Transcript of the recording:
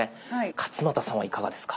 勝俣さんはいかがですか？